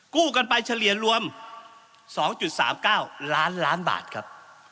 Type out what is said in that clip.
กู้กันไปเฉลี่ยรวม๒๓๙ล้านล้านบาทครับ